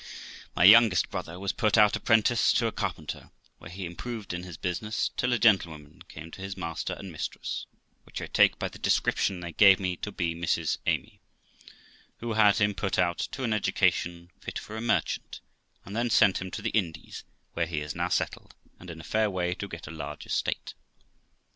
My youngest brother was put out apprentice to a carpenter, where he improved in his business, till a gentlewoman came to his master and mistress (which I take by the description they gave me, to be Mrs Amy), who had him put out to an education fit for a merchant, and then sent him to the Indies, where he is now settled, and in a fair way to get a large estate.